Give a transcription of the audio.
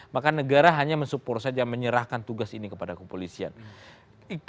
maka negara hanya mensupport saja menyerahkan tugas ini kepada kepolisian